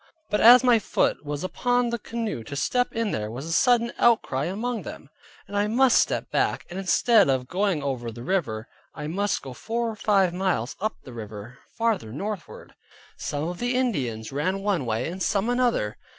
But as my foot was upon the canoe to step in there was a sudden outcry among them, and I must step back, and instead of going over the river, I must go four or five miles up the river farther northward. Some of the Indians ran one way, and some another.